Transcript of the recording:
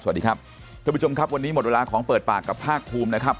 สวัสดีครับท่านผู้ชมครับวันนี้หมดเวลาของเปิดปากกับภาคภูมินะครับ